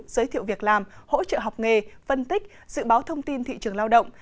giới thiệu việc làm hỗ trợ học nghề phân tích dự báo thông tin thị trường lao động